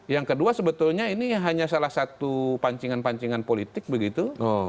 yang kedua sebetulnya ini hanya salah satu pancingan pancingan politik begitu